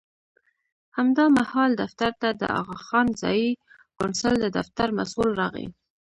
همدا مهال دفتر ته د اغاخان ځایي کونسل د دفتر مسوول راغی.